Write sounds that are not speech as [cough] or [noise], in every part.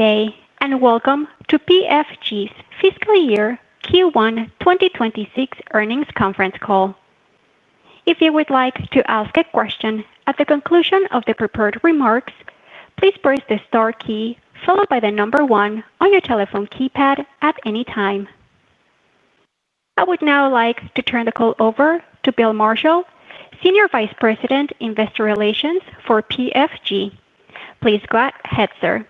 Hey and welcome to PFG's fiscal year Q1 2026 earnings conference call. If you would like to ask a question at the conclusion of the prepared remarks, please press the star key followed by the number one on your telephone keypad at any time. I would now like to turn the call over to Bill Marshall, Senior Vice President, Investor Relations for PFG. Please go ahead, sir.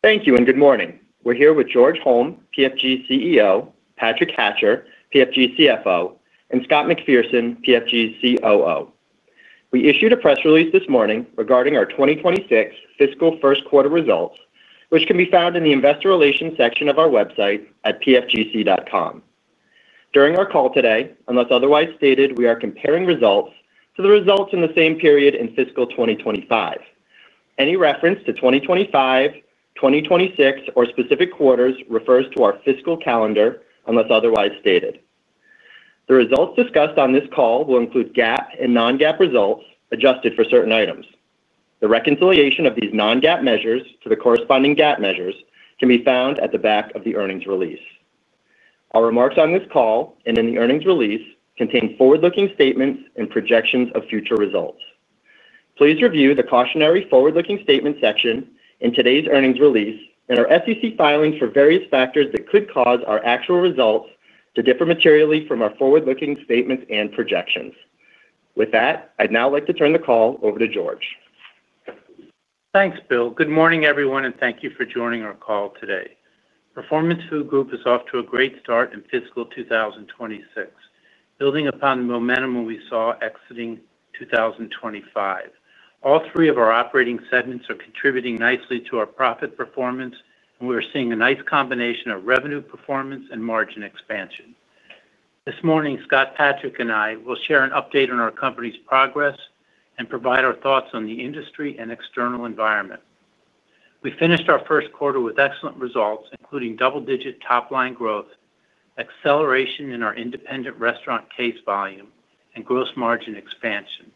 Thank you and good morning. We're here with George Holm, PFG CEO. Patrick Hatcher, PFG CFO and Scott McPherson, PFG COO. We issued a press release this morning regarding our 2026 fiscal first quarter results which can be found in the investor relations section of our website at pfgc.com during our call today. Unless otherwise stated, we are comparing results to the results in the same period in fiscal 2025. Any reference to 2025, 2026 or specific quarters refers to our fiscal calendar. Unless otherwise stated, the results discussed on this call will include GAAP and non-GAAP results adjusted for certain items. The reconciliation of these non-GAAP measures to the corresponding GAAP measures can be found at the back of the earnings release. Our remarks on this call and in the earnings release contain forward looking statements and projections of future results. Please review the cautionary forward-looking statement section in today's earnings release and our SEC filings for various factors that could cause our actual results to differ materially from our forward looking statements and projections. With that, I'd now like to turn the call over to George. Thanks Bill. Good morning everyone and thank you for joining our call today. Performance Food Group is off to a great start in fiscal 2026, building upon the momentum we saw exiting 2025. All three of our operating segments are contributing nicely to our profit performance and we are seeing a nice combination of revenue performance and margin expansion. This morning, Scott, Patrick and I will share an update on our company's progress and provide our thoughts on the industry and external environment. We finished our first quarter with excellent results, including double digit top line growth, acceleration in our independent restaurant case volume and gross margin expansion.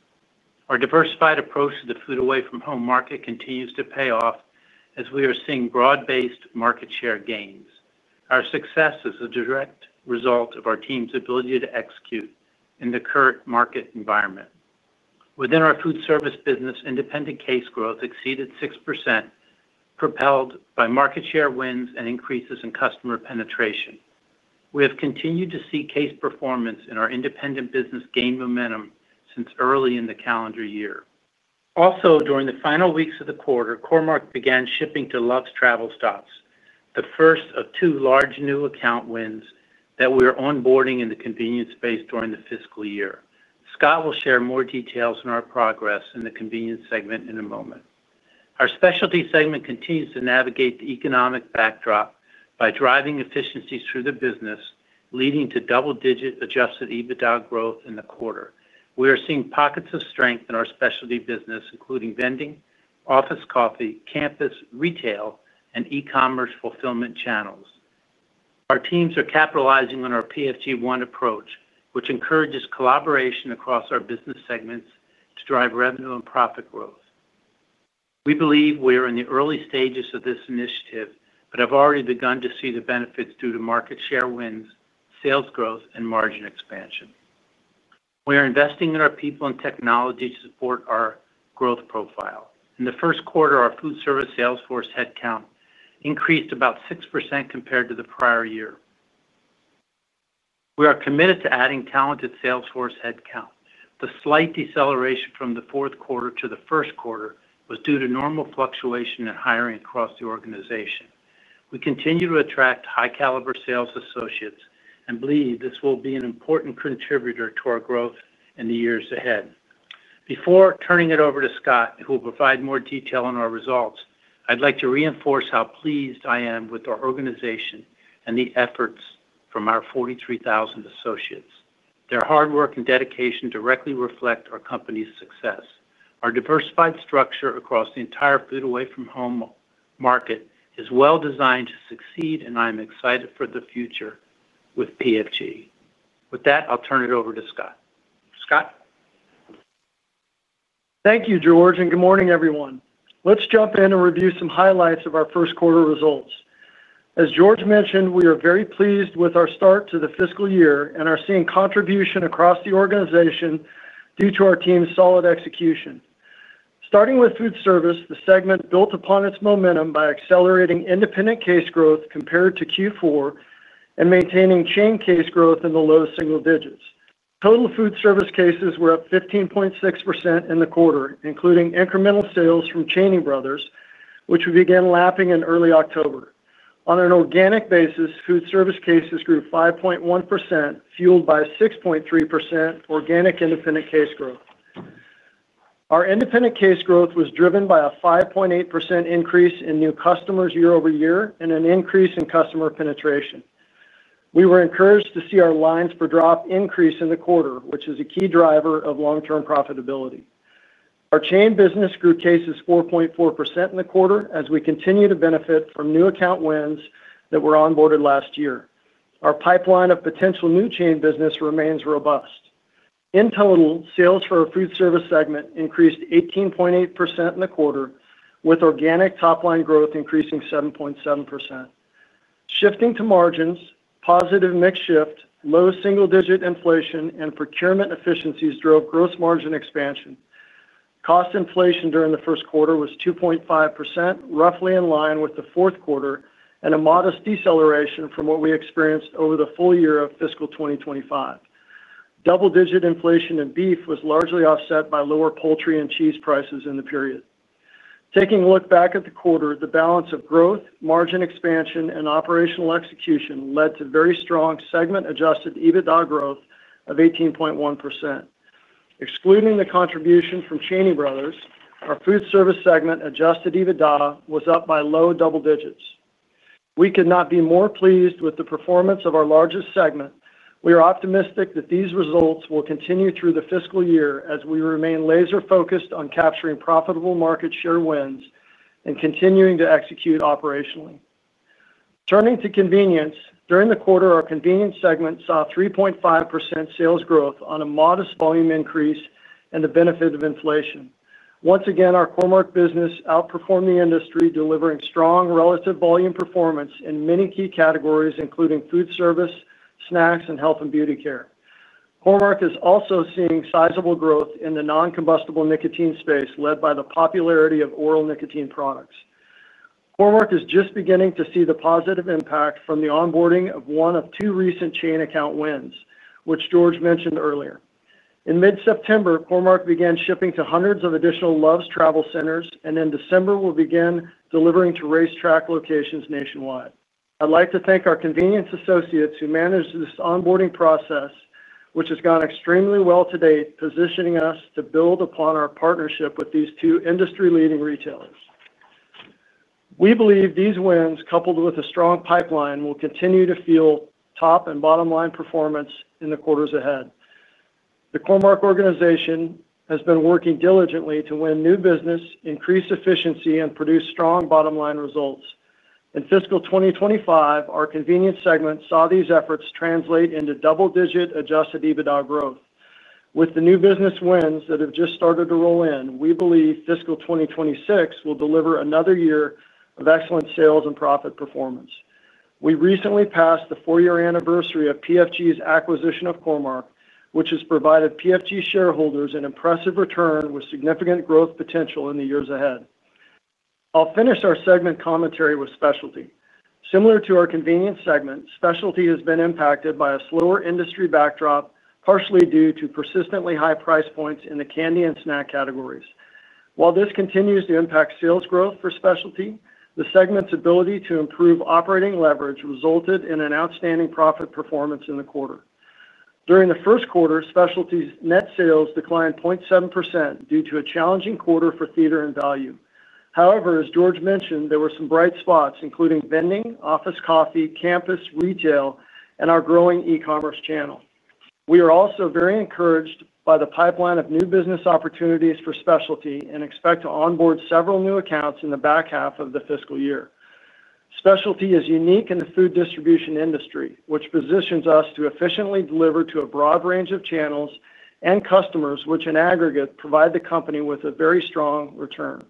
Our diversified approach to the food away from home market continues to pay off as we are seeing broad-based market share gains. Our success is a direct result of our team's ability to execute in the current market environment within our Foodservice business. Independent case growth exceeded 6% propelled by market share wins and increases in customer penetration. We have continued to see case performance in our independent business gain momentum since early in the calendar year. Also during the final weeks of the quarter, Core-Mark began shipping to Love's Travel Stops, the first of two large new account wins that we are onboarding in the Convenience space during the fiscal year. Scott will share more details on our progress in the Convenience segment in a moment. Our Specialty segment continues to navigate the economic backdrop by driving efficiencies through the business, leading to double-digit Adjusted EBITDA growth in the quarter. We are seeing pockets of strength in our Specialty business including vending, office, coffee, campus retail, and e-commerce fulfillment channels. Our teams are capitalizing on our PFG One approach, which encourages collaboration across our business segments to drive revenue and profit growth. We believe we are in the early stages of this initiative but have already begun to see the benefits due to market share wins, sales growth, and margin expansion. We are investing in our people and technology to support our growth profile. In the first quarter, our Foodservice sales force headcount increased about 6% compared to the prior year. We are committed to adding talented sales force headcount. The slight deceleration from the fourth quarter to the first quarter was due to normal fluctuation in hiring across the organization. We continue to attract high caliber sales associates and believe this will be an important contributor to our growth in the years ahead. Before turning it over to Scott, who will provide more detail on our results, I'd like to reinforce how pleased I am with our organization and the efforts from our 43,000 associates. Their hard work and dedication directly reflect our company's success. Our diversified structure across the entire food away from home market is well designed to succeed and I'm excited for the future with PFG. With that, I'll turn it over to Scott. Scott. Thank you George and good morning everyone. Let's jump in and review some highlights of our first quarter results. As George mentioned, we are very pleased with our start to the fiscal year and are seeing contribution across the organization due to our team's solid execution. Starting with Foodservice, the segment built upon its momentum by accelerating independent case growth compared to Q4 and maintaining chain case growth in the low single digits. Total Foodservice cases were up 15.6% in the quarter, including incremental sales from Cheney Brothers which we began lapping in early October. On an organic basis, Foodservice cases grew 5.1% fueled by 6.3% organic independent case growth. Our independent case growth was driven by a 5.8% increase in new customers year-over-year and an increase in customer penetration. We were encouraged to see our lines per drop increase in the quarter, which is a key driver of long term profitability. Our Chain business grew cases 4.4% in the quarter as we continue to benefit from new account wins that were onboarded last year. Our pipeline of potential new chain business remains robust. In total, sales for our Foodservice segment increased 18.8% in the quarter, with organic top line growth increasing 7.7%. Shifting to margins, positive mix shift, low single digit inflation, and procurement efficiencies drove gross margin expansion. Cost inflation during the first quarter was 2.5%, roughly in line with the fourth quarter and a modest deceleration from what we experienced over the full year of fiscal 2025. Double digit inflation in beef was largely offset by lower poultry and cheese prices in the period. Taking a look back at the quarter, the balance of growth, margin expansion and operational execution led to very strong segment Adjusted EBITDA growth of 18.1%. Excluding the contribution from Cheney Brothers, our Foodservice segment Adjusted EBITDA was up by low double digits. We could not be more pleased with the performance of our largest segment. We are optimistic that these results will continue through the fiscal year as we remain laser focused on capturing profitable market share wins and continuing to execute operationally. Turning to Convenience, during the quarter our Convenience segment saw 3.5% sales growth on a modest volume increase and the benefit of inflation. Once again, our Core-Mark business outperformed the industry, delivering strong relative volume performance in many key categories including Foodservice, snacks and health and beauty care. Core-Mark is also seeing sizable growth in the non-combustible nicotine space led by the popularity of oral nicotine products. Core-Mark is just beginning to see the positive impact from the onboarding of one of two recent chain account wins which George mentioned earlier. In mid-September, Core-Mark began shipping to hundreds of additional Love's Travel Centers and in December will begin delivering to RaceTrac locations nationwide. I'd like to thank our Convenience associates who managed this onboarding process which has gone extremely well to date, positioning us to build upon our partnership with these two industry-leading retailers. We believe these wins coupled with a strong pipeline will continue to fuel top and bottom line performance in the quarters ahead. The Core-Mark organization has been working diligently to win new business, increase efficiency, and produce strong bottom line results. In fiscal 2025, our Convenience segment saw these efforts translate into double-digit Adjusted EBITDA growth. With the new business wins that have just started to roll in, we believe fiscal 2026 will deliver another year of excellent sales and profit performance. We recently passed the four-year anniversary of PFG's acquisition of Core-Mark, which has provided PFG shareholders an impressive return with significant growth potential in the years ahead. I'll finish our segment commentary with Specialty. Similar to our Convenience segment, Specialty has been impacted by a slower industry backdrop, partially due to persistently high price points in the candy and snack categories. While this continues to impact sales growth for Specialty, the segment's ability to improve operating leverage resulted in an outstanding profit performance in the quarter. During the first quarter, Specialty's net sales declined 0.7% due to a challenging quarter for theater and value. However, as George mentioned, there were some bright spots including vending, office coffee, campus retail, and our growing e-commerce channel. We are also very encouraged by the pipeline of new business opportunities for Specialty and expect to onboard several new accounts in the back half of the fiscal year. Specialty is unique in the food distribution industry, which positions us to efficiently deliver to a broad range of channels and customers, which in aggregate provide the company with a very strong return.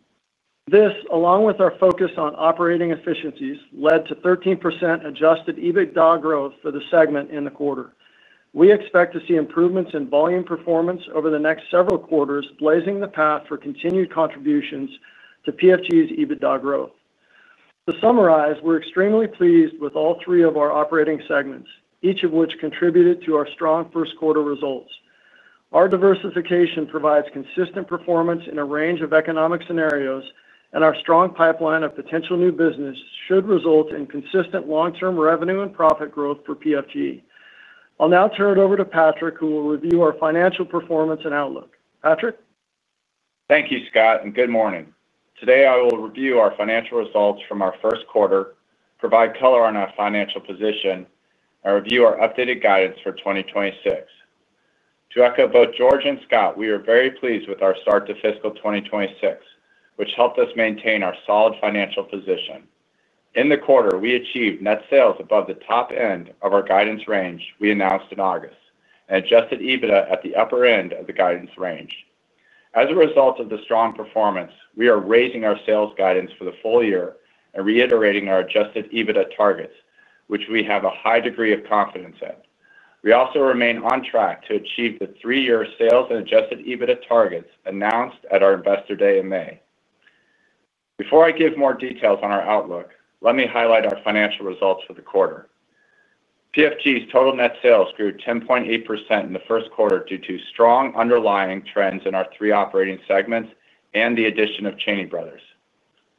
This, along with our focus on operating efficiencies, led to 13% Adjusted EBITDA growth for the segment in the quarter. We expect to see improvements in volume performance over the next several quarters, blazing the path for continued contributions to PFG's EBITDA growth. To summarize, we're extremely pleased with all three of our operating segments, each of which contributed to our strong first quarter results. Our diversification provides consistent performance in a range of economic scenarios and our strong pipeline of potential new business should result in consistent long-term revenue and profit growth for PFG. I'll now turn it over to Patrick who will review our financial performance and outlook. Patrick. Thank you, Scott, and good morning. Today, I will review our financial results from our first quarter, provide color on our financial position, and review our updated guidance for 2026. To echo both George and Scott, we are very pleased with our start to fiscal 2026, which helped us maintain our solid financial position in the quarter. We achieved net sales above the top end of our guidance range we announced in August and Adjusted EBITDA at the upper end of the guidance range. As a result of the strong performance, we are raising our sales guidance for the full year and reiterating our Adjusted EBITDA targets, which we have a high degree of confidence in. We also remain on track to achieve the three year sales and Adjusted EBITDA targets announced at our Investor Day in May. Before I give more details on our outlook, let me highlight our financial results for the quarter. PFG's total net sales grew 10.8% in the first quarter due to strong underlying trends in our three operating segments and the addition of Cheney Brothers.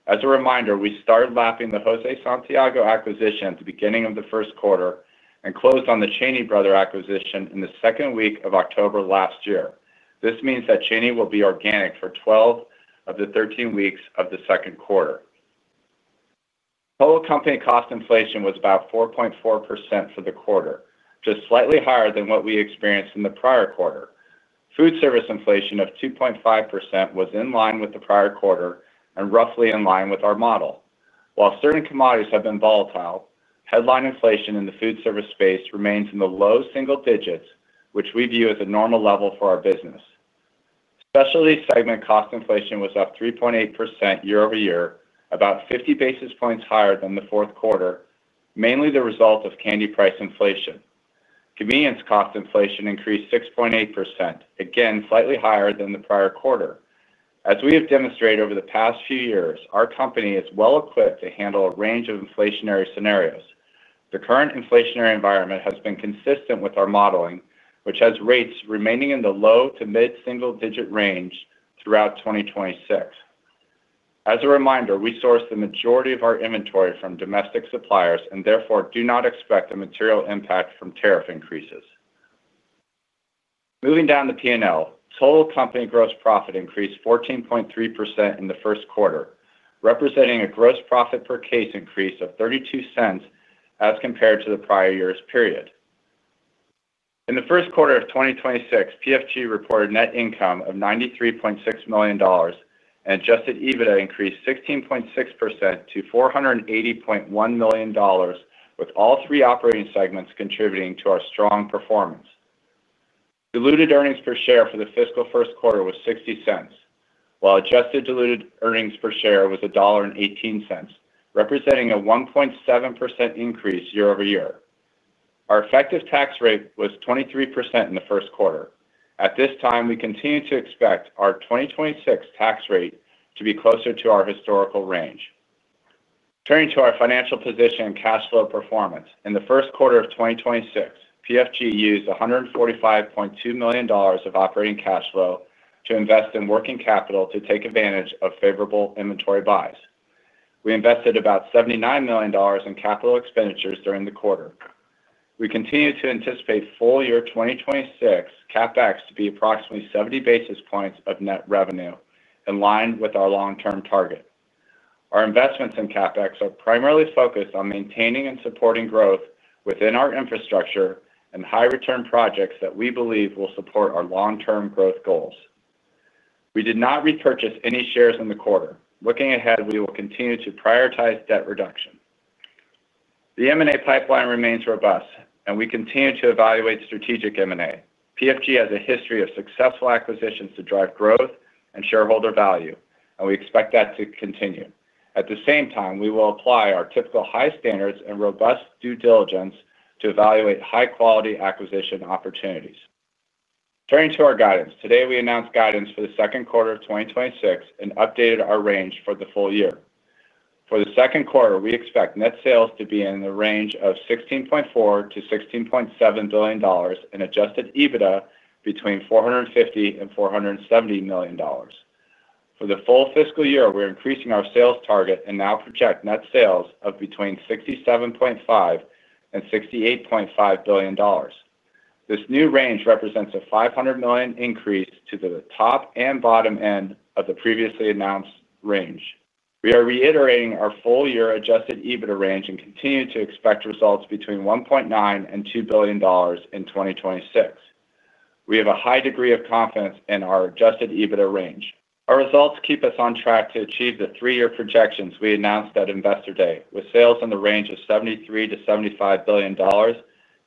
As a reminder, we started lapping the José Santiago acquisition at the beginning of the first quarter and closed on the Cheney Brothers acquisition in the second week of October last year. This means that Cheney will be organic for 12 of the 13 weeks of the second quarter. Total company cost inflation was about 4.4% for the quarter, just slightly higher than what we experienced in the prior quarter. Foodservice inflation of 2.5% was in line with the prior quarter and roughly in line with our model. While certain commodities have been volatile, headline inflation in the Foodservice space remains in the low single digits, which we view as a normal level for our business Specialty segment. Cost inflation was up 3.8% year-over-year, about 50 basis points higher than the fourth quarter, mainly the result of candy price inflation. Convenience cost inflation increased 6.8%, again slightly higher than the prior quarter. As we have demonstrated over the past few years, our company is well equipped to handle a range of inflationary scenarios. The current inflationary environment has been consistent with our modeling, which has rates remaining in the low to mid-single digit range throughout 2026. As a reminder, we source the majority of our inventory from domestic suppliers and therefore do not expect a material impact from tariff increases. Moving down the P&L, total company gross profit increased 14.3% in the first quarter, representing a gross profit per case increase of $0.32 as compared to the prior year's period. In the first quarter of 2026, PFG reported net income of $93.6 million and Adjusted EBITDA increased 16.6% to $480.1 million, with all three operating segments contributing to our strong performance. Diluted earnings per share for the fiscal first quarter was $0.60, while adjusted diluted earnings per share was $1.18, representing a 1.7% increase year-over-year. Our effective tax rate was 23% in the first quarter. At this time, we continue to expect our 2026 tax rate to be closer to our historical range. Turning to our financial position and cash flow performance in the first quarter of 2026, PFG used $145.2 million of operating cash flow to invest in working capital to take advantage of favorable inventory buys. We invested about $79 million in capital expenditures during the quarter. We continue to anticipate full year 2026 CapEx to be approximately 70 basis points of net revenue in line with our long-term target. Our investments in CapEx are primarily focused on maintaining and supporting growth within our infrastructure and high return projects that we believe will support our long-term growth goals. We did not repurchase any shares in the quarter. Looking ahead, we will continue to prioritize debt reduction. The M&A pipeline remains robust and we continue to evaluate strategic M&A. PFG has a history of successful acquisitions to drive growth and shareholder value and we expect that to continue. At the same time, we will apply our typical high standards and robust due diligence to evaluate high quality acquisition opportunities. Turning to our guidance today we announced guidance for the second quarter of 2026 and updated our range for the full year. For the second quarter we expect net sales to be in the range of $16.4 billion`-$16.7 billion and Adjusted EBITDA between $450 million and $470 million. For the full fiscal year, we're increasing our sales target and now project net sales of between $67.5 billion and $68.5 billion. This new range represents a $500 million increase to the top and bottom end of the previously announced range. We are reiterating our full year Adjusted EBITDA range and continue to expect results between $1.9 billion and $2 billion in 2026. We have a high degree of confidence in our Adjusted EBITDA range. Our results keep us on track to achieve the three-year projections we announced at Investor Day with sales in the range of $73 million-$75 billion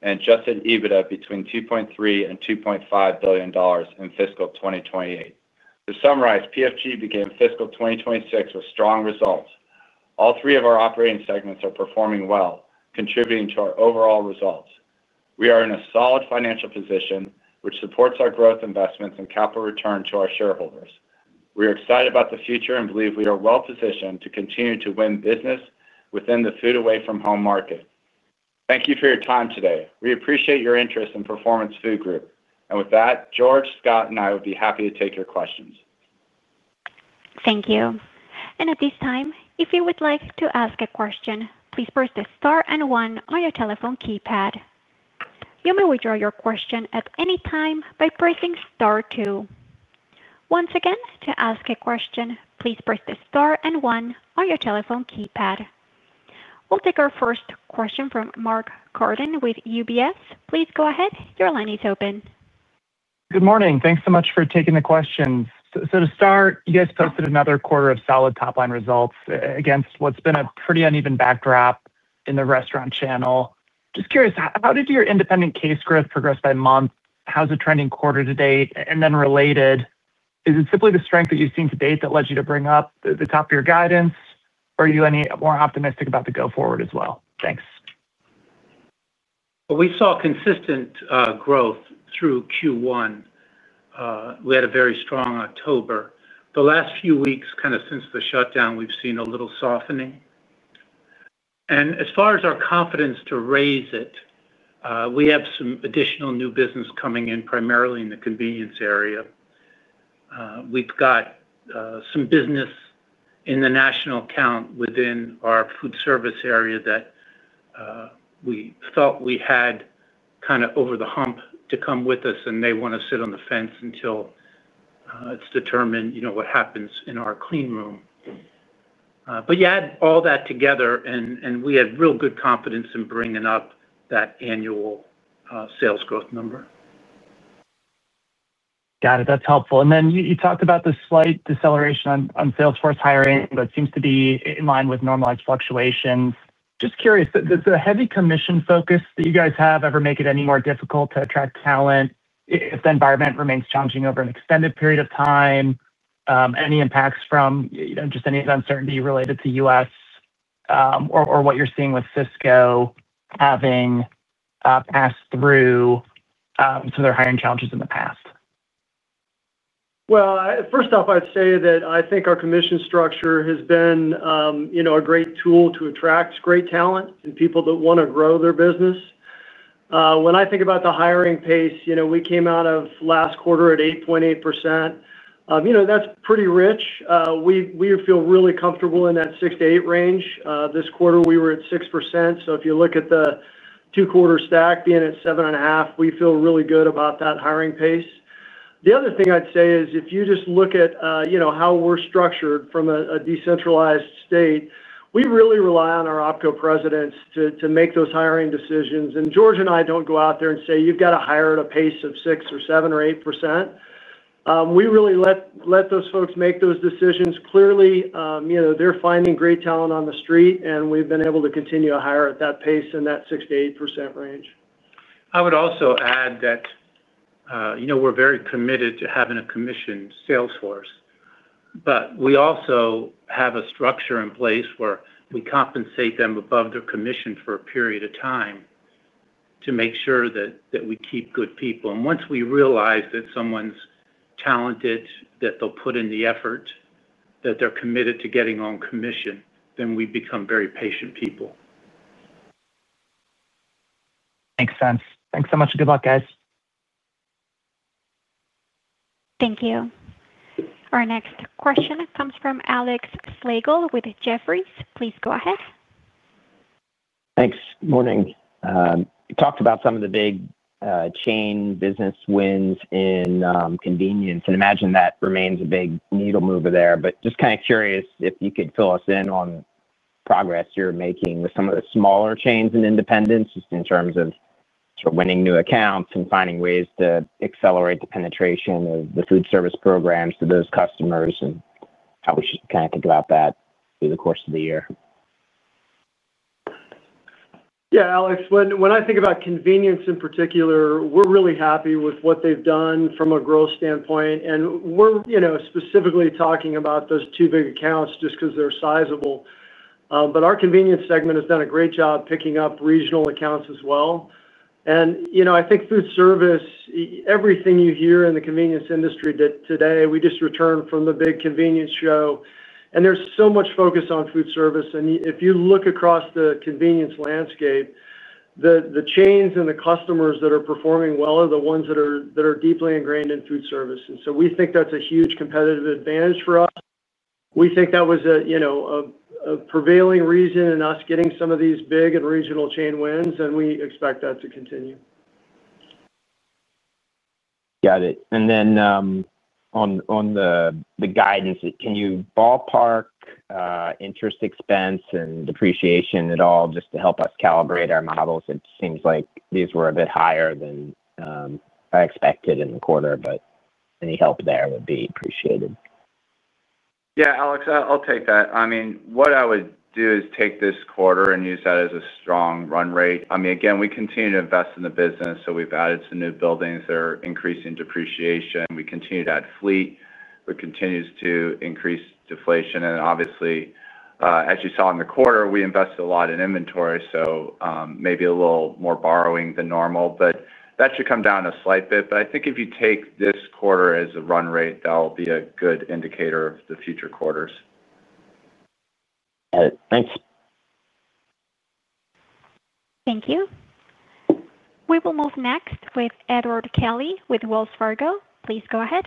and Adjusted EBITDA between $2.3 billion and $2.5 billion in fiscal 2028. To summarize, PFG began fiscal 2026 with strong results. All three of our operating segments are performing well, contributing to our overall results. We are in a solid financial position, which supports our growth, investments, and capital return to our shareholders. We are excited about the future and believe we are well positioned to continue to win business within the Food Away from Home Market. Thank you for your time today. We appreciate your interest in Performance Food Group and with that, George, Scott, and I would be happy to take your questions. Thank you. At this time, if you would like to ask a question, please press the star and one on your telephone keypad. You may withdraw your question at any time by pressing star two. Once again, to ask a question, please press the star and one on your telephone keypad. We'll take our first question from Mark Carden with UBS. Please go ahead. Your line is open. Good morning. Thanks so much for taking the questions. To start, you guys posted another quarter of solid top line results against what's been a pretty uneven backdrop in the restaurant channel. Just curious, how did your independent case growth progress by month? How's it trending quarter to date and then related? Is it simply the strength that you've seen to date that led you to bring up the top of your guidance? Are you any more optimistic about the go forward as well? Thanks. We saw consistent growth through Q1. We had a very strong October. The last few weeks, kind of since the shutdown, we've seen a little softening. As far as our confidence to raise it, we have some additional new business coming in, primarily in the Convenience area. We've got some business in the national account within our Foodservice area that we thought we had kind of over the hump to come with us and they want to sit on the fence until it's determined, you know, what happens in our clean room. You add all that together and we had real good confidence in bringing up that annual sales growth number. Got it. That's helpful. Then you talked about the slight deceleration on salesforce hiring, but seems to be in line with normalized fluctuations. Just curious, does the heavy commission focus that you guys have ever make it any more difficult to attract talent? The environment remains challenging over an extended period of time. Any impacts from just any uncertainty related to U.S. or what you're seeing with Sysco having passed through some of their hiring challenges in the past? First off, I'd say that I think our commission structure has been a great tool to attract great talent and people that want to grow their business. When I think about the hiring pace we came out of last quarter at 8.8%, you know, that's pretty rich. We feel really comfortable in that 6-8% range. This quarter we were at 6%. If you look at the two quarter stack being at 7.5%, we feel really good about that hiring pace. The other thing I'd say is if you just look at how we're structured from a decentralized state, we really rely on our OPCO presidents to make those hiring decisions. George and I don't go out there and say you've got to hire at a pace of 6% or 7% or 8%. We really let those folks make those decisions. Clearly, you know, they're finding great talent on the street and we've been able to continue to hire at that pace in that 6%-8% range. I would also add that, you know, we're very committed to having a commission sales force, but we also have a structure in place where we compensate them above their commission for a period of time to make sure that we keep good people. Once we realize that someone's talented, that they'll put in the effort, that they're committed to getting on commission, then we become very patient people. Makes sense. Thanks so much. Good luck, guys. Thank you. Our next question comes from Alex Slagle with Jefferies. Please go ahead. Thanks. Morning. Talked about some of the big chain business wins in Convenience. I imagine that remains a big needle mover there. Just kind of curious if you could fill us in on progress you're making with some of the smaller chains in Independence just in terms of winning new accounts and finding ways to accelerate the penetration of the Foodservice programs to those customers and how we should kind of think about that through the course of the year. Yeah, Alex, when I think about Convenience in particular, we're really happy with what they've done from a growth standpoint. We're specifically talking about those two big accounts just because they're sizable. Our Convenience segment has done a great job picking up regional accounts as well. I think Foodservice, everything you hear in the Convenience industry today. We just returned from the big convenience show and there's so much focus on Foodservice. If you look across the Convenience landscape, the chains and the customers that are performing well are the ones that are, that are deeply ingrained in Foodservice. We think that's a huge competitive advantage for us. We think that was a prevailing reason in us getting some of these big and regional chain wins. We expect that to continue. Got it. On the guidance, can you Ballpark interest, expense and depreciation at all just to help us calibrate our models? It seems like these were a bit higher than I expected in the quarter, but any help there would be appreciated. Yeah, Alex, I'll take that. I mean, what I would do is take this quarter and use that as a strong run rate. I mean, again, we continue to invest in the business, so we've added some new buildings that are increasing depreciation. We continue to add funds fleet, but continues to increase deflation. Obviously, as you saw in the quarter, we invested a lot in inventory, so maybe a little more borrowing than normal, but that should come down a slight bit. I think if you take this quarter as a run rate, that will be a good indicator of the future quarters. Thanks. Thank you. We will move next with Edward Kelly with Wells Fargo. Please go ahead.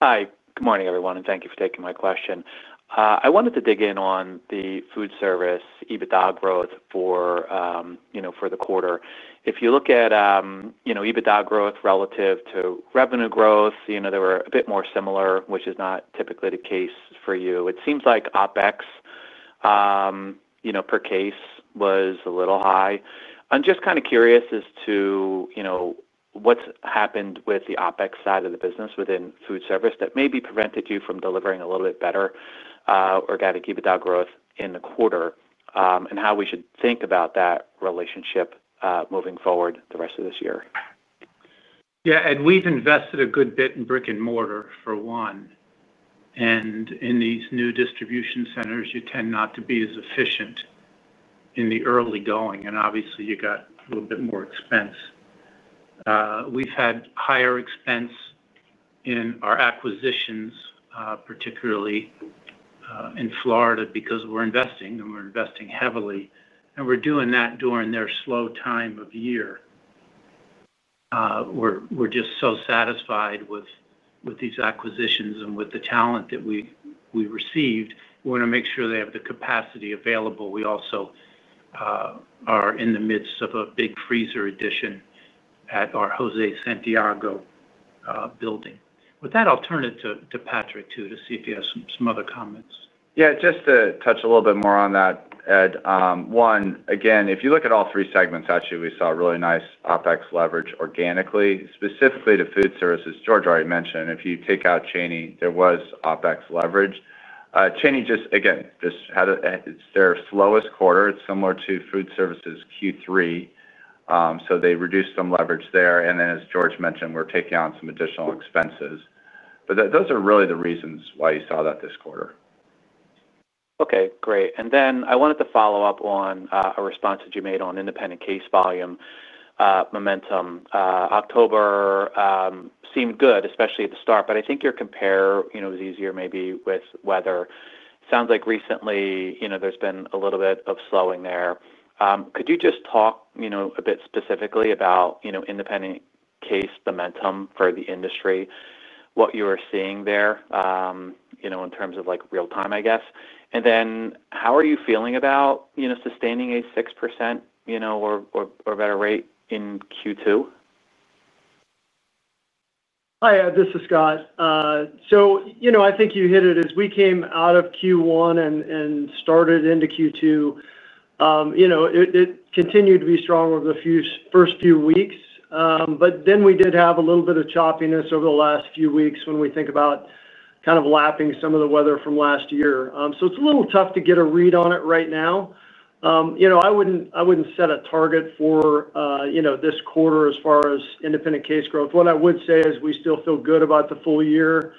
Hi, good morning, everyone, and thank you for taking my question. I wanted to dig in on the Foodservice EBITDA growth for the quarter. If you look at EBITDA growth relative to revenue growth, they were a bit more similar, which is not typically the case for you. It seems like OpEx per case was a little high. I'm just curious as to what's happened with the OpEx side of the business within Foodservice that maybe prevented you from delivering a little bit better organic EBITDA growth in the quarter and how we should think about that relationship moving forward The rest of this year. Yeah, and we've invested a good bit in Brick and Mortar, for one. In these new distribution centers, you tend not to be as efficient in the early going and obviously you got a little bit more expense. We've had higher expense in our acquisitions, particularly in Florida, because we're investing and we're investing heavily and we're doing that during their slow time of year. We're just so satisfied with these acquisitions and with the talent that we received. We want to make sure they have the capacity available. We also are in the midst of a big freezer addition at our José Santiago building. With that, I'll turn it to Patrick, too, to see if he has some other comments. Yeah, just to touch a little bit more on that, Ed. Again, if you look at all three segments, actually we saw really nice OpEx leverage organically, specifically to Food Services. George already mentioned if you take out Cheney, there was OpEx leverage. Cheney just again, it's their slowest quarter. Its similar to Food Services Q3, so they reduced some leverage there. As George mentioned, we're taking on some additional expenses. Those are really the reasons why you saw that this quarter. Okay, great. I wanted to follow up on a response that you made on independent case volume momentum. October seemed good, especially at the start, but I think your compare was easier maybe with weather. Sounds like recently, you know, there's been a little bit of slowing there. Could you just talk, you know, a bit specifically about, you know, independent case momentum for the industry, what you are seeing there, you know, in terms of like real time, I guess. How are you feeling about, you know, sustaining a 6% or better rate in Q2? Hi, this is Scott. You know, I think you hit it as we came out of Q1 and started into Q2. You know, it continued to be strong over the first few weeks, but then we did have a little bit of choppiness over the last few weeks. When we think about kind of lapping some of the weather from last year, it's a little tough to get a read on it right now. You know, I wouldn't set a target for, you know, this quarter as far as independent case growth. What I would say is we still feel good about the full year,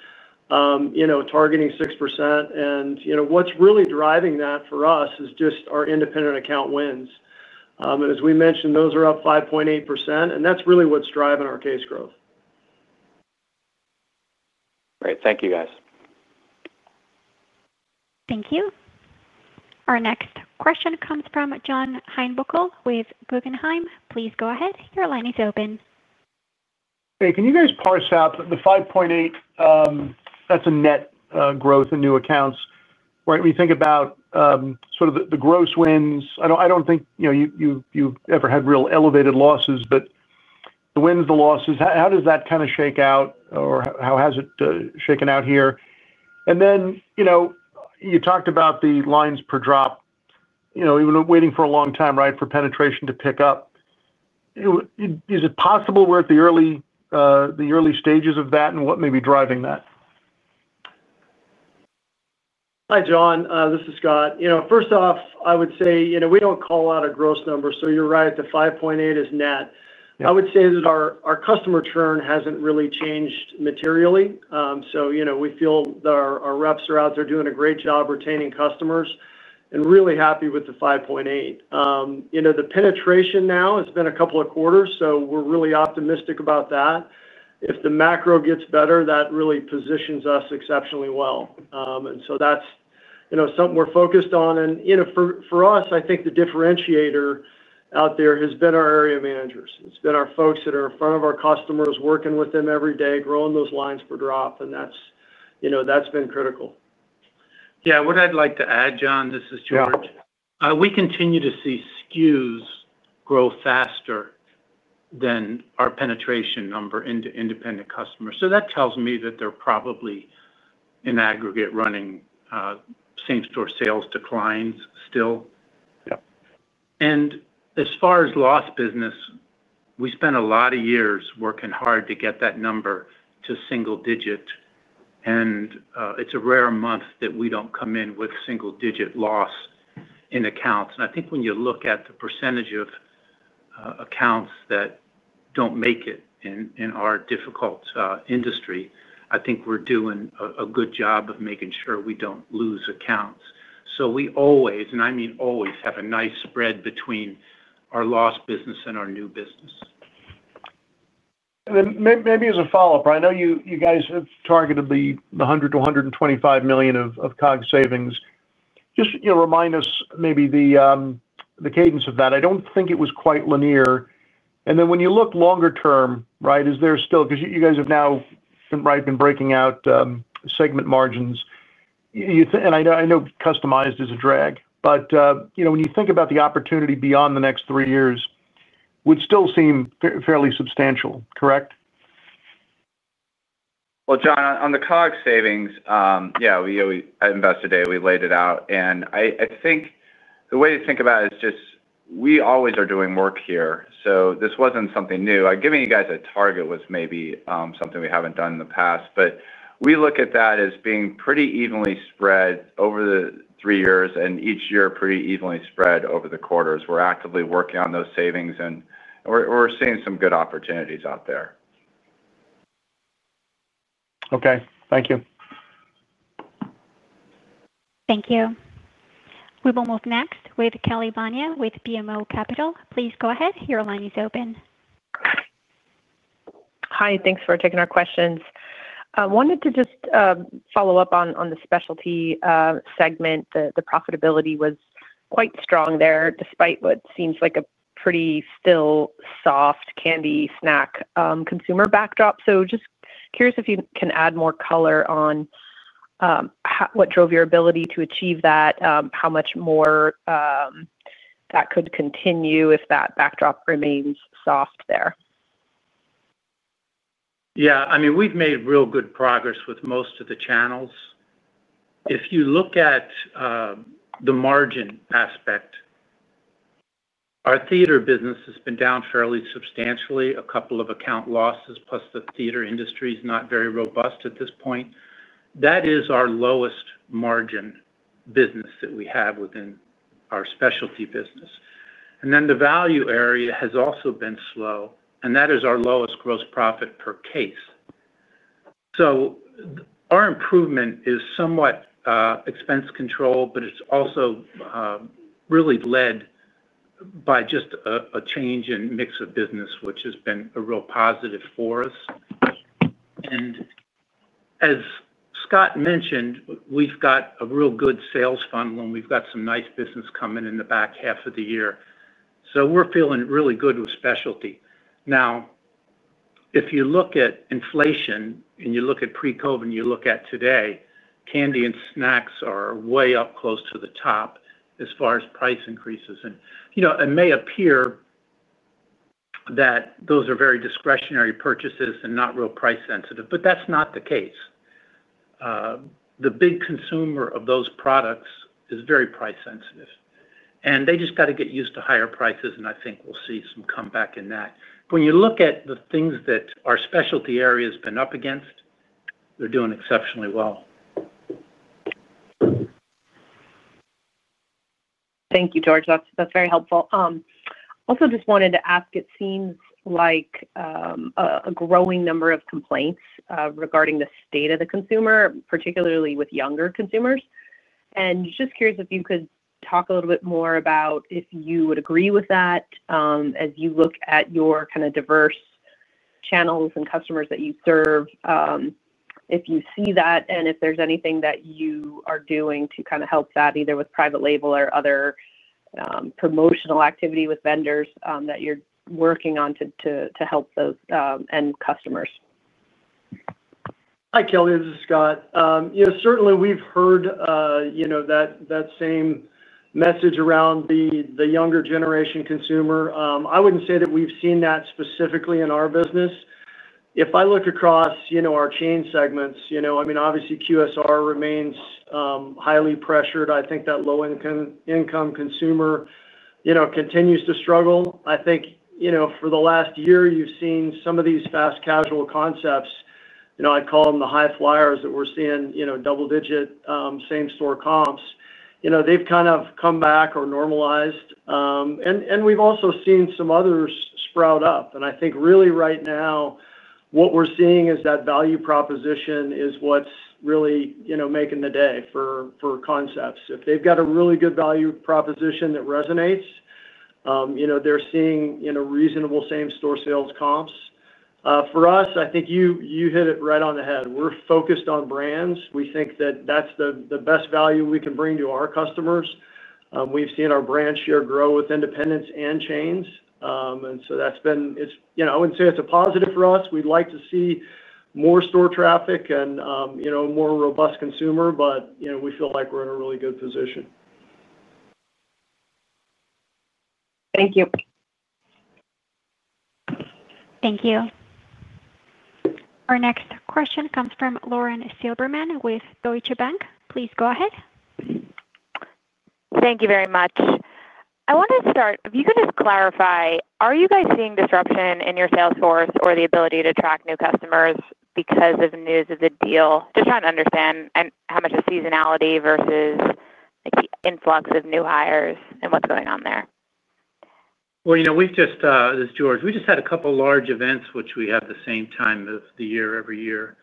you know, targeting 6%. You know, what's really driving that for us is just our independent account wins. As we mentioned, those are up 5.8% and that's really what's driving our case growth. Great. Thank you, guys. Thank you. Our next question comes from John Heinbockel with Guggenheim. Please go ahead. Your line is open. Hey, can you guys parse out the 5.8%? That's a net growth in new accounts. Right. We think about sort of the gross wins. I don't think you've ever had real elevated losses. But the wins, the losses, how does that kind of shake out or how has it shaken out here? And then you talked about the lines per drop, even waiting for a long time, right, for penetration to pick up. Is it possible? We're at the early stages of that. And what may be driving that? Hi, John, this is Scott. You know, first off, I would say, you know, we don't call out a gross number. So you're right, the 5.8% is net. I would say that our customer churn hasn't really changed materially. So, you know, we feel that our reps are out there doing a great job retaining customers and really happy with the 5.8%. You know, the penetration now has been a couple of quarters, so we're really optimistic about that. If the macro gets better, that really positions us exceptionally well. That is, you know, something we're focused on. You know, for us, I think the differentiator out there has been our area managers. It's been our folks that are in front of our customers, working with them every day, growing those lines per drop. That is, you know, that's been critical. Yeah. What I'd like to add, John, this is George. We continue to see SKUs grow faster than our penetration number into independent customers. That tells me that they're probably in aggregate running same store sales declines still. As far as lost business, we spent a lot of years working hard to get that number to single digit. It is a rare month that we do not come in with single digit loss in accounts. I think when you look at the percentage of accounts that do not make it in our difficult industry, I think we are doing a good job of making sure we do not lose accounts. We always, and I mean always, have a nice spread between our lost business and our new business. Maybe as a follow up, I know you guys have targeted the $100 million-$125 million of COGS savings. Just remind us maybe the cadence of that. I don't think it was quite linear. When you look longer term, is there still, because you guys have now been breaking out segment margins and I know customized is a drag, but when you think about the opportunity beyond the next three years, it would still seem fairly substantial. Correct? John, on the COGS savings. Yeah, Investor Day we laid it out and I think the way to think about it is just we always are doing work here. This was not something new. Giving you guys a target was maybe something we have not done in the past. We look at that as being pretty evenly spread over the three years and each year pretty evenly spread over the quarters. We are actively working on those savings and we are seeing some good opportunities out there. Okay, thank you. Thank you. We will move next with Kelly Bania with BMO Capital. Please go ahead. Your line is open. Hi. Thanks for taking our questions. I wanted to just follow up on the Specialty segment. The profitability was quite strong there despite what seems like a pretty still soft candy snack consumer backdrop. Just curious if you can add more color on what drove your ability to achieve that, how much more that could continue if that backdrop remains soft there? Yeah, I mean we've made real good progress with most of the channels. If you look at the margin aspect, our Theater business has been down fairly substantially. A couple of account losses. Plus the Theater industry is not very robust at this point. That is our lowest margin business that we have within our Specialty business. The value area has also been slow and that is our lowest gross profit per case. Our improvement is somewhat expense control. It's also really led by just a change in mix of business which has been a real positive for us. As Scott mentioned, we've got a real good sales funnel and we've got some nice business coming in the back half of the year. We're feeling really good with Specialty. Now if you look at inflation and you look at pre-COVID and you look at today, candy and snacks are way up close to the top as far as price increases. You know, it may appear that those are very discretionary purchases and not real price sensitive, but that's not the case. The big consumer of those products is very price sensitive and they just got to get used to higher prices and I think we'll see some comeback in that. When you look at the things that our Specialty area has been up against, they're doing exceptionally well. Thank you, George, that's very helpful. Also, just wanted to ask, it seems like a growing number of complaints regarding the state of the consumer, particularly with younger consumers. Just curious if you could talk a little bit more about if you would agree with that. As you look at your kind of diverse channels and customers that you serve, if you see that and if there's anything that you are doing to kind of help that either with private label or other promotional activity with vendors that you're working on to help those end customers. Hi Kelly, this is Scott. Certainly we've heard that same message around the younger generation consumer. I wouldn't say that we've seen that specifically in our business. If I look across our chain segments, obviously QSR remains highly pressured. I think that low income consumer continues to struggle. I think for the last year you've seen some of these Fast Casual concepts, you know, I call them the high flyers that we're seeing. You know, double digit same store comps, you know, they've kind of come back or normalized and we've also seen some others sprout up. I think really right now what we're seeing is that value proposition is what's really, you know, making the day for concepts. If they've got a really good value proposition that resonates, you know, they're seeing in a reasonable same store sales comps for us, I think you hit it right on the head. We're focused on brands. We think that that's the best value we can bring to our customers. We've seen our brand share grow with independents and chains. And so that's been, you know, I wouldn't say it's a positive for us. We'd like to see more store traffic and, you know, more robust consumer. But, you know, we feel like we're in a really good position. Thank you. Thank you. Our next question comes from Lauren Silberman with Deutsche Bank. Please go ahead. Thank you very much. I want to start, if you can just clarify, are you guys seeing disruption in your sales force or the ability to attract new customers because of news of the deal? Just trying to understand how much of seasonality versus the influx of new hires and what's going on there. You know, we've just. This is George. We just had a couple large events which we have the same time of the year every year.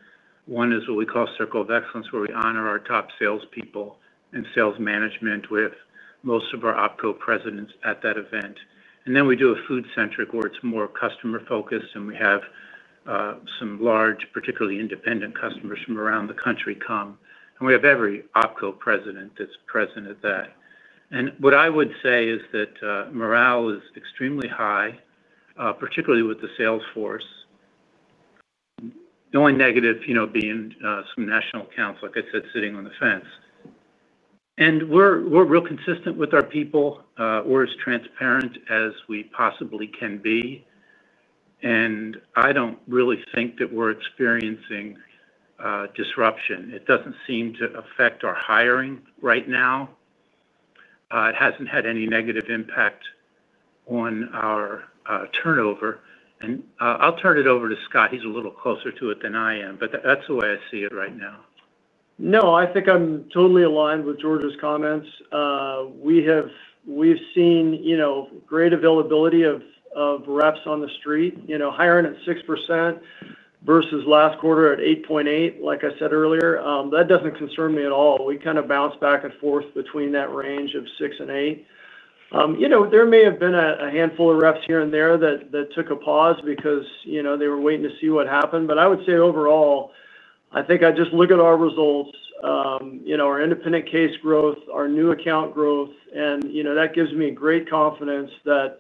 One is what we call Circle of Excellence, where we honor our top salespeople and sales management with most of our OPCO presidents at that event. Then we do a food centric where it is more customer focused and we have some large, particularly independent customers from around the country come and we have every OPCO president that is present at that. What I would say is that morale is extremely high, particularly with the sales force. The only negative, you know, being some national accounts, like I said, sitting on the fence. We are real consistent with our people. We are as transparent as we possibly can be. I do not really think that we are experiencing disruption. It does not seem to affect our hiring right now. It has not had any negative impact on our turnover. I will turn it over to Scott. He is a little closer to it than I am, but that is the way I see it right now. No, I think I'm totally aligned with George's comments. We have, we've seen, you know, great availability of reps on the street, you know, hiring at 6% versus last quarter at 8.8%. Like I said earlier, that doesn't concern me at all. We kind of bounce back and forth between that range of 6% and 8%. You know, there may have been a handful of reps here and there that took a pause because, you know, they were waiting to see what happened. I would say overall, I think I just look at our results, you know, our independent case growth, our new account growth, and you know, that gives me great confidence that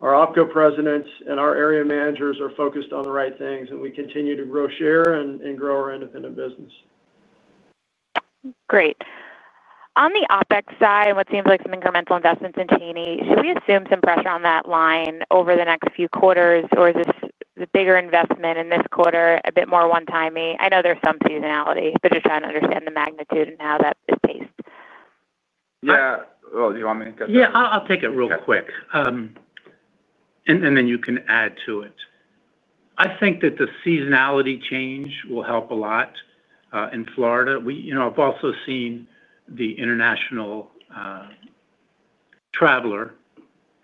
our OPCO presidents and our area managers are focused on the right things and we continue to grow, share and grow our Independent business. Great. On the OpEx side, what seems like some incremental investments in Cheney. Should we assume some pressure on that line over the next few quarters, or is this the bigger investment in this quarter? A bit more one time? I know there's some seasonality, but just trying to understand the magnitude and how that is paced. Yeah, I'll take it real quick and then you can add to it. I think that the seasonality change will help a lot in Florida. You know, I've also seen the international traveler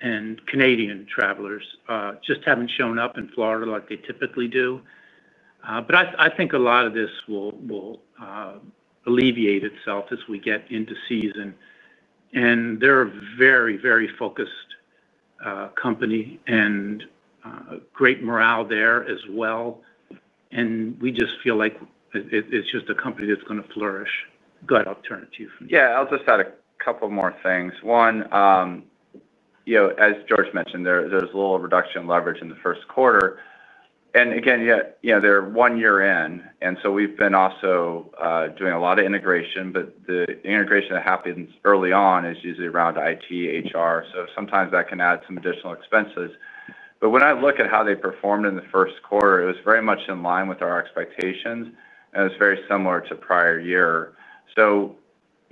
and Canadian travelers just haven't shown up in Florida like they typically do. I think a lot of this will alleviate itself as we get into season. They're a very, very focused company and great morale there as well. We just feel like it's just a company that's going to flourish. Go ahead, I'll turn it to you. Yeah, I'll just add a couple more things. One, you know, as George mentioned, there's a little reduction in leverage in the first quarter and again they're one year in and so we've been also doing a lot of integration. The integration that happens early on is usually around IT, HR. Sometimes that can add some additional expenses. When I look at how they performed in the first quarter, it was very much in line with our expectations and it's very similar to prior year.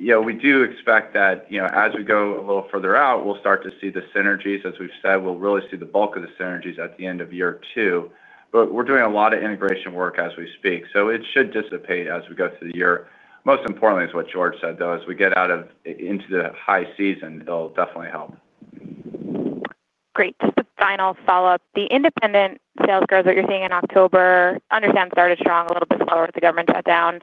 We do expect that as we go a little further out we'll start to see the synergies. As we've said, we'll really see the bulk of the synergies at the end of year two, but we're doing a lot of integration work as we speak, so it should dissipate as we go through the year. Most importantly is what George said though. As we get out of into the high season, it'll definitely help. Great. Just a final follow up. The independent sales growth that you're seeing in October, understand started strong, a little bit slower with the government shutdown.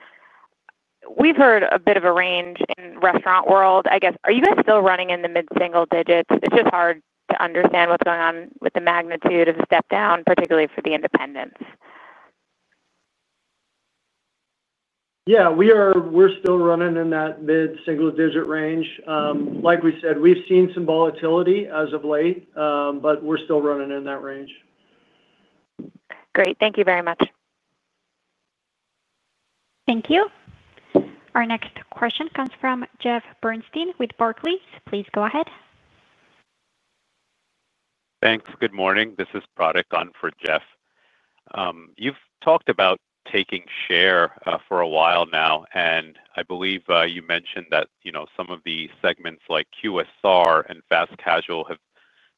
We've heard a bit of a range in restaurant world, I guess. Are you guys still running in the mid single digits? It's just hard to understand what's going on with the magnitude of the step down, particularly for the independents. Yeah, we are. We're still running in that mid-single digit range. Like we said, we've seen some volatility as of late, but we're still running in that range. Great. Thank you very much. Thank you. Our next question comes from Jeff Bernstein with Barclays. Please go ahead. Thanks. Good morning. This is [Product] on for Jeff. You've talked about taking share for a while now and I believe you mentioned that, you know, some of the segments like QSR and Fast Casual have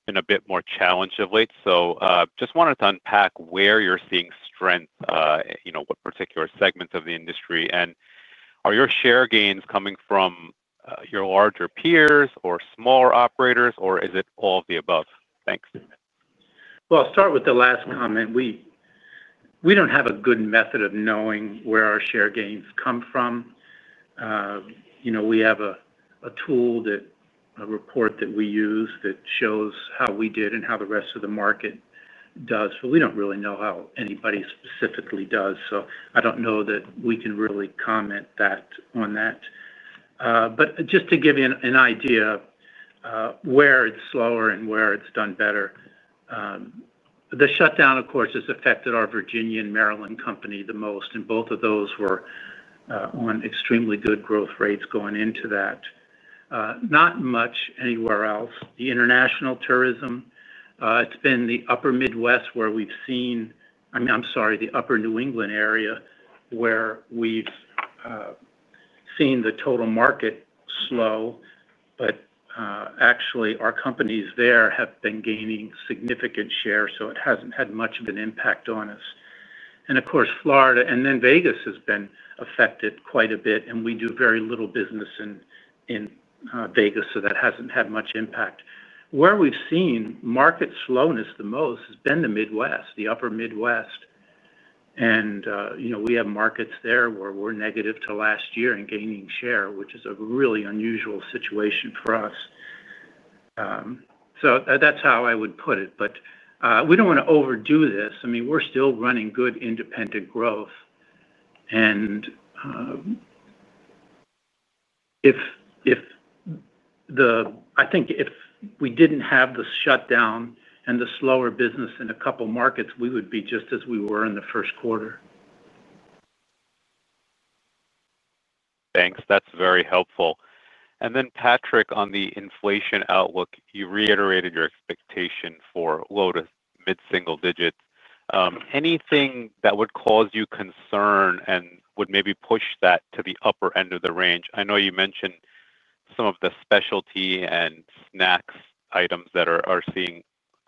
been a bit more challenged of late. Just wanted to unpack where you're seeing strength. You know, what particular segments of the industry and are your share gains coming from your larger peers or smaller operators or is it all of the above? Thanks. I'll start with the last comment. We don't have a good method of knowing where our share gains come from. You know, we have a tool, a report that we use that shows how we did and how the rest of the market does, but we don't really know how anybody specifically does. I don't know that we can really comment on that. Just to give you an idea where it's slower and where it's done better, the shutdown of course has affected our Virginia and Maryland company the most. Both of those were on extremely good growth rates going into that, not much anywhere else. The international tourism, it's been the upper Midwest where we've seen, I mean, I'm sorry, the upper New England area where we've seen the total market slow. Actually, our companies there have been gaining significant share. It hasn't had much of an impact on us. Of course, Florida and then Vegas have been affected quite a bit and we do very little business in Vegas, so that hasn't had much impact. Where we've seen market slowness the most has been the Midwest, the upper Midwest. You know, we have markets there where we're negative to last year and gaining share, which is a really unusual situation for us. That's how I would put it. We don't want to overdo this. I mean, we're still running good independent growth. And if, I think if we didn't have the shutdown and the slower business in a couple markets we would be just as we were in the first quarter. Thanks, that's very helpful. Then Patrick, on the inflation outlook, you reiterated your expectation for low to mid-single digits. Anything that would cause you concern and would maybe push that to the upper end of the range. I know you mentioned some of the Specialty and snacks items that are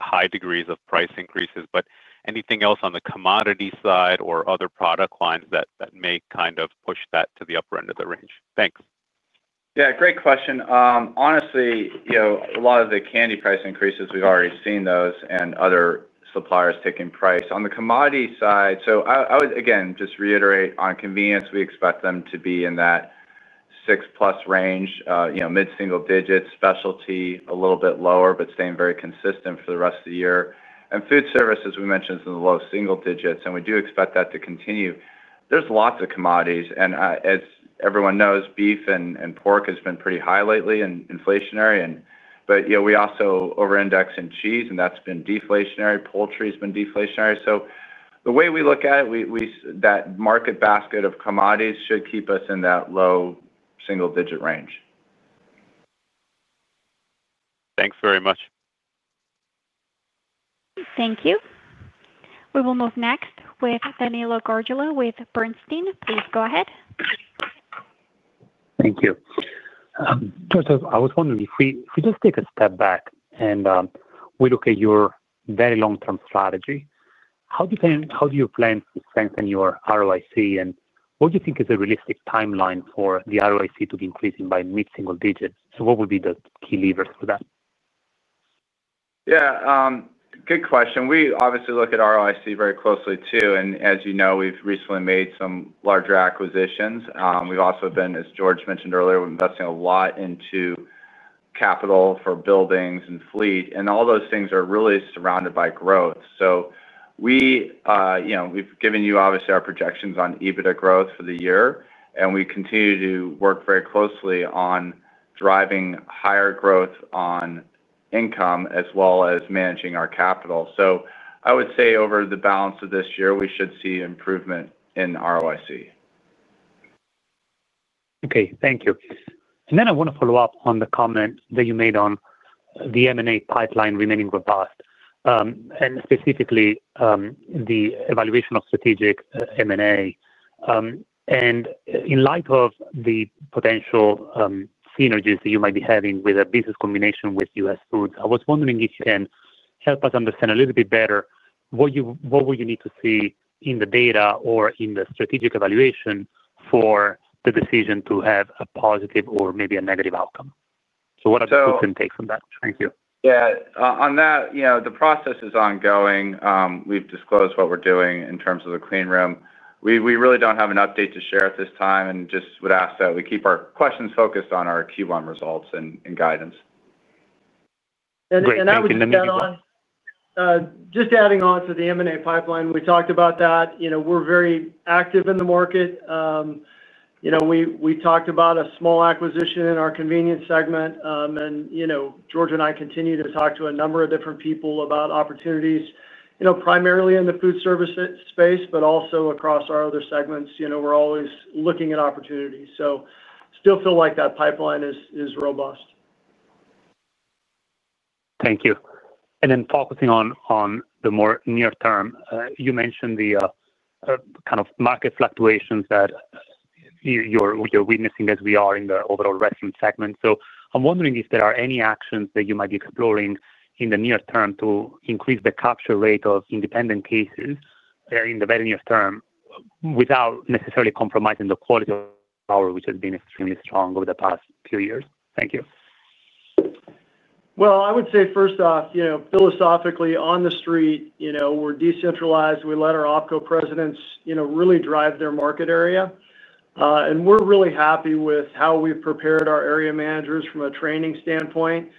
seeing high degrees of price increases. Anything else on the commodity side or other product lines that may kind of push that to the upper end of the range? Thanks. Yeah, great question. Honestly, you know, a lot of the candy price increases, we've already seen those and other suppliers taking price on the commodity side. I would again just reiterate on Convenience. We expect them to be in that 6%+ range, mid single digits, Specialty a little bit lower but staying very consistent for the rest of the year. Foodservice as we mentioned is in the low single digits and we do expect that to continue. There's lots of commodities and as everyone knows, beef and pork has been pretty high lately and inflationary. We also over index in cheese and that's been deflationary. Poultry has been deflationary. The way we look at it, that market basket of commodities should keep us in that low-single digit range. Thanks very much. Thank you. We will move next with Danilo Gargiulo with Bernstein. Please go ahead. Thank you. I was wondering if we just take a step back and we look at your very long-term strategy. How do you plan to strengthen your ROIC and what do you think is a realistic timeline for the ROIC to be increasing by mid-single digits? What would be the key levers for that? Yeah, good question. We obviously look at ROIC very closely too. And as you know, we've recently made some larger acquisitions. We've also been, as George mentioned earlier, investing a lot into capital for buildings and fleet and all those things are really surrounded by growth. So we, you know, we've given you obviously our projections on EBITDA growth for the year, and we continue to work very closely on driving higher growth on income as well as managing our capital. So I would say over the balance of this year, we should see improvement in ROIC. Okay, thank you. I want to follow up on the comment that you made on the M&A pipeline remaining robust and specifically the evaluation of strategic M&A. In light of the potential synergies that you might be having with a business combination with US Foods, I was wondering if you can help us understand a little bit better what would you need to see in the data or in the strategic evaluation for the decision to have a positive or maybe a negative outcome. What are the takes on that? Thank you. Yeah, on that, you know, the process is ongoing. We've disclosed what we're doing in terms of the clean room. We really don't have an update to share at this time and just would ask that we keep our questions focused on our Q1 results and guidance. [audio distortion] Just adding on to the M&A pipeline. We talked about that. You know, we're very active in the market. You know, we talked about a small acquisition in our Convenience segment. And, you know, George and I continue to talk to a number of different people about opportunities, you know, primarily in the Foodservice space, but also across our other segments. You know, we're always looking at opportunities. So still feel like that pipeline is robust. Thank you. Focusing on the more near term, you mentioned the kind of market fluctuations that you're witnessing as we are in the overall restaurant segment. I'm wondering if there are any actions that you might be exploring in the near term to increase the capture rate of independent cases in the very near term without necessarily compromising the quality, which has been extremely strong over the past few years. Thank you. I would say first off, you know, philosophically on the street, you know, we're decentralized. We let our OPCO presidents, you know, really drive their market area and we're really happy with how we've prepared our area managers from a training standpoint.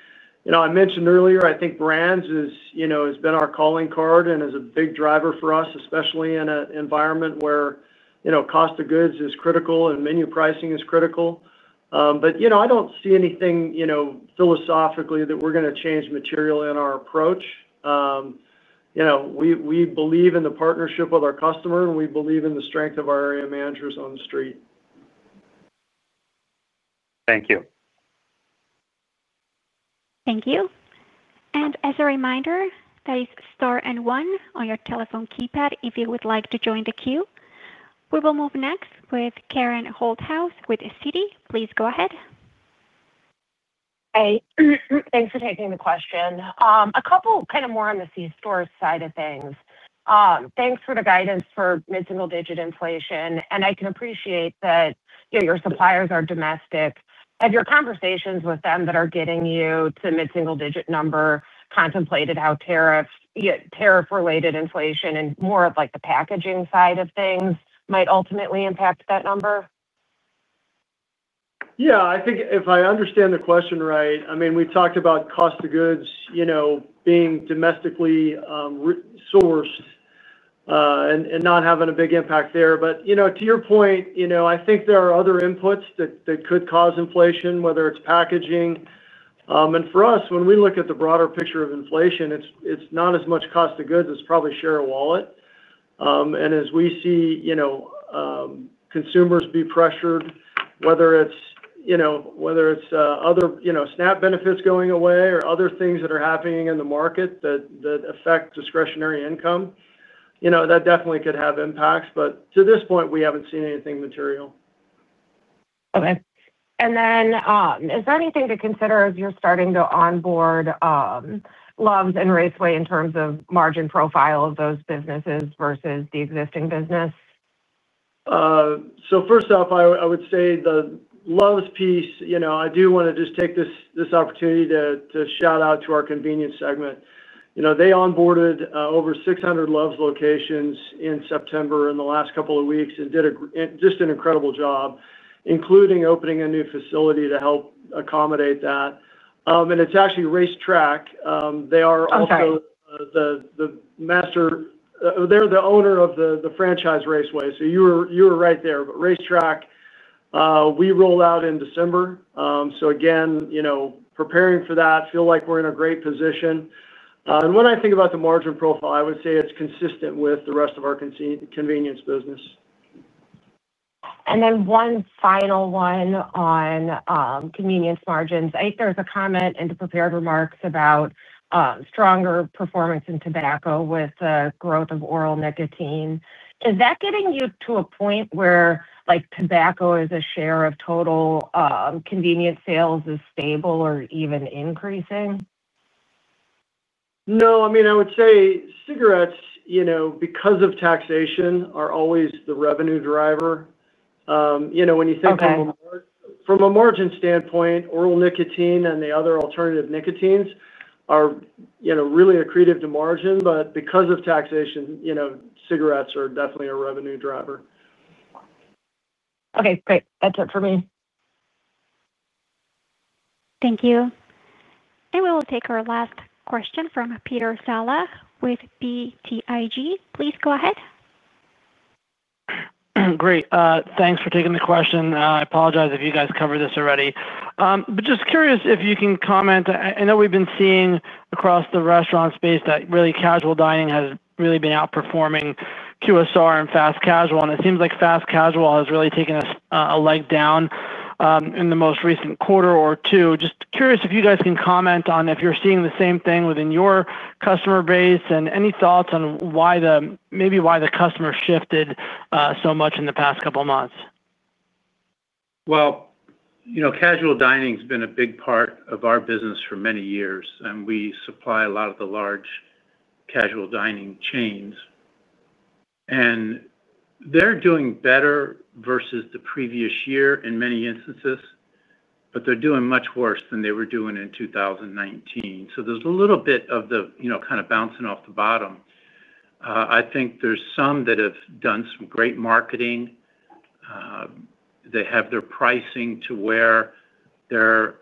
You know, I mentioned earlier, I think brands is, you know, has been our calling card and is a big driver for us especially in an environment where cost of goods is critical and menu pricing is critical. I don't see anything philosophically that we're going to change material in our approach. We believe in the partnership with our customer and we believe in the strength of our area managers on the street. Thank you. Thank you. As a reminder, that is star and one on your telephone keypad if you would like to join the queue. We will move next with Karen Holthouse with Citi. Please go ahead. Hey, thanks for taking the question. A couple kind of more on the C store side of things. Thanks for the guidance for mid-single digit inflation. I can appreciate that your suppliers are domestic. Have your conversations with them that are getting you to mid-single digit number contemplated how tariff related inflation and more of like the packaging side of things might ultimately impact that number. Yeah, I think if I understand the question right, I mean we talked about cost of goods, you know, being domestically sourced and not having a big impact there. But you know, to your point, you know I think there are other inputs that could cause inflation when whether it's packaging. And for us when we look at the broader picture of inflation, it's not as much cost of goods. It's probably share of wallet. And as we see consumers be pressured whether it's other SNAP benefits going away or other things that are happening in the market that affect discretionary income that definitely could have impacts. To this point we haven't seen anything material. Okay. And then is there anything to consider as you're starting to onboard Love's and Raceway in terms of margin profile of those businesses versus the existing business? First off, I would say the Love's piece. You know, I do want to just take this opportunity to shout out to our Convenience segment. You know, they onboarded over 600 Love's locations in September in the last couple of weeks and did just an incredible job, including opening a new facility to help accommodate that. It is actually RaceTrac. They are also the master, they are the owner of the franchise Raceway. You were right there. RaceTrac we rolled out in December. Again, preparing for that, I feel like we are in a great position. When I think about the margin profile, I would say it is consistent with the rest of our Convenience business. One final one on Convenience margins, I think there's a comment in the prepared remarks about stronger performance in tobacco with growth of oral nicotine. Is that getting you to a point where like tobacco as a share of total convenience sales is stable or even increasing? No, I mean, I would say cigarettes, you know, because of taxation are always the revenue driver. You know, when you think from a margin standpoint, oral nicotine and the other alternative nicotines are, you know, really accretive to margin. But because of taxation, you know, cigarettes are definitely a revenue driver. Okay, great. That's it for me. Thank you. We will take our last question from Peter Saleh with BTIG. Please go ahead. Great. Thanks for taking the question. I apologize if you guys covered this already. Just curious if you can comment. I know we've been seeing across the Restaurant space that really Casual dining has really been outperforming QSR and Fast Casual. It seems like Fast Casual has really taken a step, a leg down. In the most recent quarter or two. Just curious if you guys can comment on if you're seeing the same thing within your customer base. Any thoughts on why maybe why the customer shifted so much in the past couple months? Casual dining has been a big part of our business for many years and we supply a lot of the large casual dining chains and they're doing better versus the previous year in many instances, but they're doing much worse than they were doing in 2019. There is a little bit of the, you know, kind of bouncing off the bottom. I think there are some that have done some great marketing. They have their pricing to where they're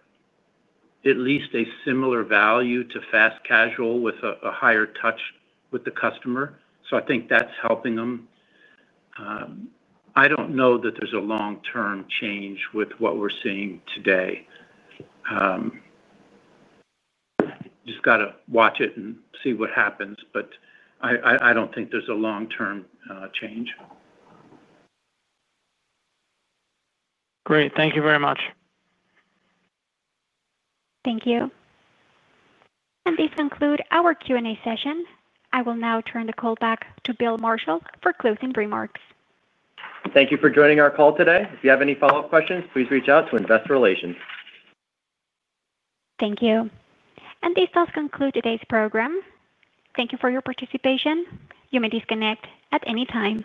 at least a similar value to Fast Casual with a higher touch with the customer. I think that's helping them. I don't know that there's a long-term change with what we're seeing today. Just got to watch it and see what happens. I don't think there's a long-term change. Great. Thank you very much. Thank you. This concludes our Q&A session. I will now turn the call back to Bill Marshall for closing remarks. Thank you for joining our call today. If you have any follow up questions, please reach out to investor relations. Thank you. This does conclude today's program. Thank you for your participation. You may disconnect at any time.